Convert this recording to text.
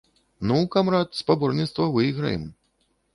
Ну, камрад, спаборніцтва выйграем.